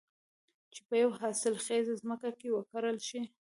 چې په يوه حاصل خېزه ځمکه کې وکرل شي.